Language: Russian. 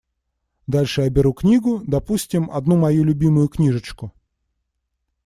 Дальше я беру книгу, допустим, одну мою любимую книжечку.